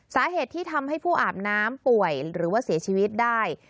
สาเหตุที่ทำให้ผู้อาบน้ำป่วยหรือว่าเสียชีวิตได้